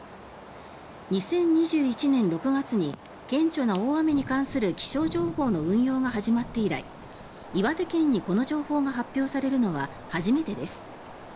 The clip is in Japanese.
２０２１年６月に顕著な大雨に関する気象情報の運用が始まって以来岩手県にこの情報が発表されるのは初めてです。